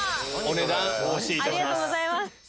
ありがとうございます！